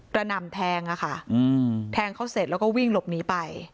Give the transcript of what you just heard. หน่ำแทงอะค่ะแทงเขาเสร็จแล้วก็วิ่งหลบหนีไป